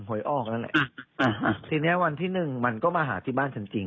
หวยออกแล้วแหละทีเนี้ยวันที่หนึ่งมันก็มาหาที่บ้านฉันจริง